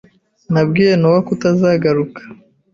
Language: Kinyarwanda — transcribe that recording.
Nabwiye Nowa kutazagaruka.